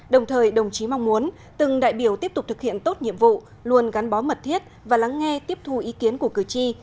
đồng thời đồng chí mong muốn từng đại biểu tiếp tục thực hiện tốt nhiệm vụ luôn gắn bó mật thiết và lắng nghe tiếp thu ý kiến của cử tri